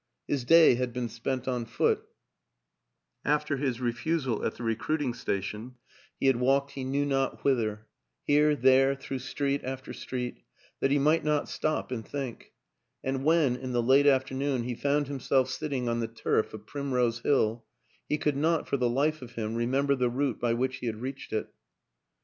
His day had been spent on foot; after his refusal at the recruiting station he had walked he knew not whither here, there, through street after street, that he might not stop and think; and when, in the late afternoon, he found himself sitting on the turf of Primrose Hill, he could not, for the life of him, remember the route by which he had reached it.